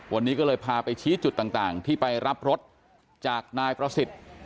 วันนี้ก็เลยพาไปชี้จุดต่างที่ไปรับรถจากนายประสิทธิ์